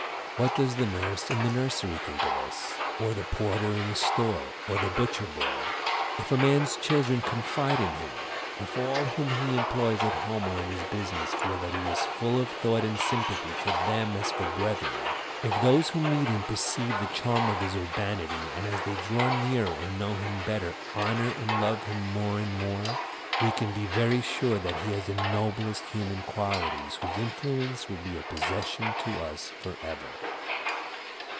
What does the nurse in the nursery think of us, or the porter in the store, or the butcher boy? If a man's children confide in him, if all whom he employs at home or in his business feel that he is full of thought and sympathy for them as for brethren, if those who meet him perceive the charm of his urbanity, and as they draw nearer and know him better, honor and love him more and more, we can be very sure that he has the noblest human qualities, whose influence will be a possession to us forever.